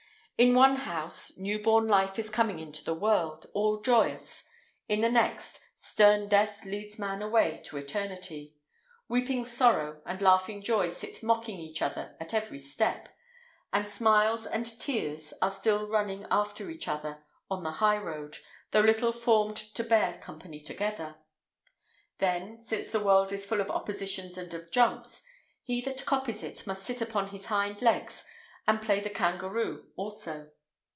In one house, new born Life is coming into the world, all joyous; in the next, stern Death leads man away to eternity; weeping Sorrow and laughing Joy sit mocking each other at every step; and smiles and tears are still running after each other on the high road, though little formed to bear company together. Then, since the world is full of oppositions and of jumps, he that copies it must sit upon his hind legs and play the kangaroo also.